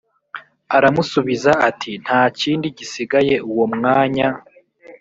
aramusubiza ati nta kindi gisigaye uwo mwanya